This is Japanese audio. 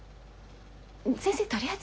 先生とりあえずすわ。